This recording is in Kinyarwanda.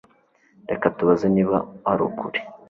Reka tubaze niba arukuri